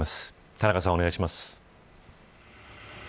田中さん、お願いします。